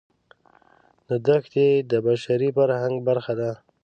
دا دښتې د بشري فرهنګ برخه ده.